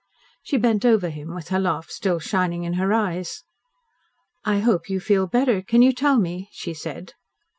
She bent over him, with her laugh still shining in her eyes. "I hope you feel better. Can you tell me?" she said.